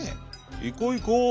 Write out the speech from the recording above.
「いこいこ」。